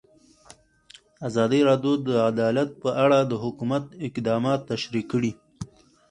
ازادي راډیو د عدالت په اړه د حکومت اقدامات تشریح کړي.